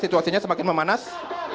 situasinya semakin memanas